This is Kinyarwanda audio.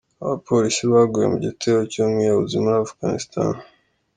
Abapolisi baguye mu gitero c'umwiyahuzi muri Afuganistani.